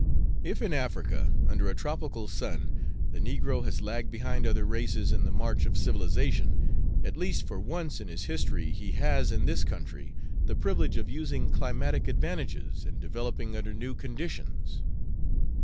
If in Africa, under a tropical sun, the negro has lagged behind other races in the march of civilization, at least for once in his history he has, in this country, the privilege of using climatic advantages and developing under new conditions."